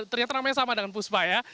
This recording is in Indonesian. ternyata ramai sama dengan puspa ya